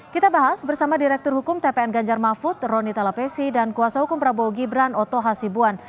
kita bahas bersama direktur hukum tpn ganjar mahfud roni talapesi dan kuasa hukum prabowo gibran oto hasibuan